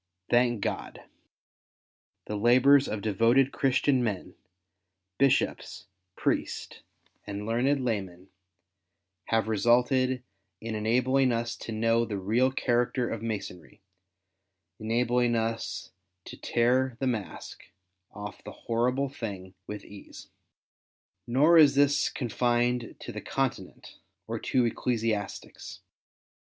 Thank God ! the hibours of devoted, Christian men — bisliops, priests, and learned hiymen — have resulted in enabling us to know the real character of Masonry, and enabling us to ^'tear the mask " off the horrible thing with ease. Nor is this confined to the Continent or to ecclesiastics.